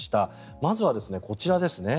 まずはこちらです。